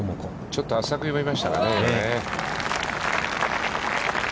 ちょっと浅く読みましたかね、今ね。